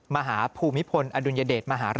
มหาภูมิพลอดุลยเดชม